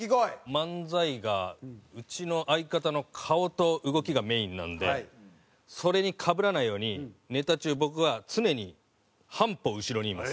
漫才がうちの相方の顔と動きがメインなんでそれにかぶらないようにネタ中僕は常に半歩後ろにいます。